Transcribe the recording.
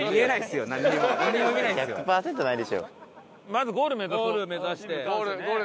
まずゴール目指そう。